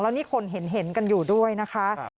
นี่คนเห็นกันอยู่ด้วยนะคะ